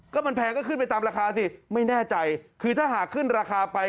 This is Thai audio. ก็มันแพงก็ขึ้นไปตามราคาสิไม่แน่ใจคือถ้าหากขึ้นราคาไป